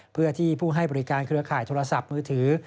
เพื่อที่ผู้ให้บริการเครือข่ายโทรศัพท์มือถือ